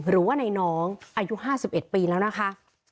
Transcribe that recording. หรือว่าในน้องอายุ๕๑ปีแล้วนะคะ